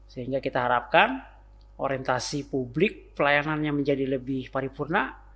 sehingga kita harapkan orientasi publik pelayanannya menjadi lebih paripurna